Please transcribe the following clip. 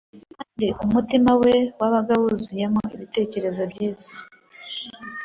kandi umutima we wabaga wuzuyemo ibitekerezo byiza.